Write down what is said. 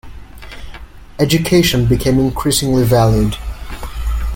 Education became increasingly valued.